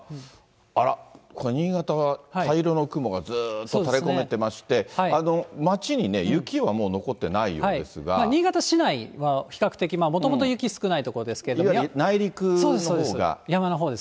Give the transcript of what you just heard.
あら、これ、新潟は灰色の雲がずっとたれ込めてまして、町に雪はもう残ってい新潟市内は比較的、もともと内陸のほうが？